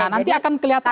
nanti akan kelihatan